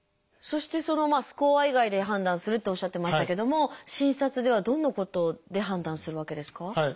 そしてそのスコア以外で判断するっておっしゃってましたけども診察ではどんなことで判断するわけですか？